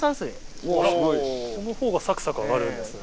そのほうがサクサク揚がるんですね。